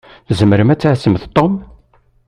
Tzemṛemt ad tɛassemt Tom?